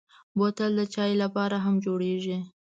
بوتل د چايو لپاره هم جوړېږي.